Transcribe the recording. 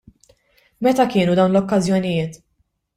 Meta kienu dawn l-okkażjonijiet?